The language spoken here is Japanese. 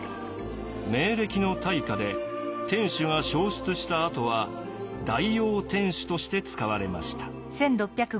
明暦の大火で天守が焼失したあとは代用天守として使われました。